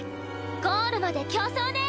ゴールまで競走ね！